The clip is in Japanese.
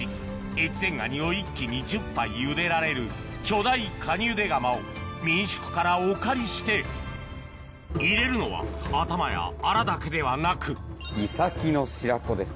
越前がにを一気に１０杯茹でられる巨大かに茹で釜を民宿からお借りして入れるのは頭やあらだけではなくイサキの白子です